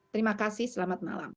terima kasih selamat malam